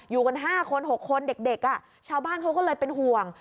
อยู่กัน๕คน๖คนเด็กชาวบ้านเขาก็เลยเป็นห่วง